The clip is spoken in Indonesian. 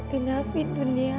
bagaimana kalau istri saya tahu